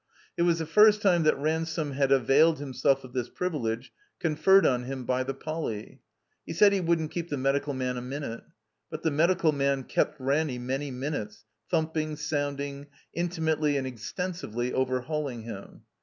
It was the first time that Ransome had availed himself of this privilege conferred on him by the Poly. He said he wouldn't keep the medical man a minute. But the medical man kept Ranny many minutes, thumping, sounding, intimately and extensively over hauling him.